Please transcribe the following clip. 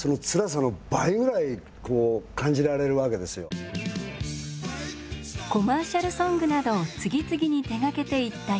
この俺さコマーシャルソングなどを次々に手がけていった柳さん。